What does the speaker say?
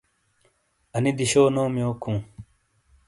اَنی دِشو نوم یوک ہُوں؟